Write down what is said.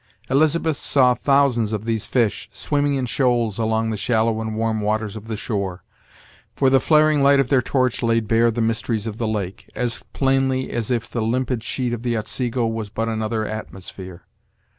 Elizabeth saw thousands of these fish swimming in shoals along the shallow and warm waters of the shore; for the flaring light of their torch laid bare the mysteries of the lake, as plainly as if the limpid sheet of the Otsego was but another atmosphere.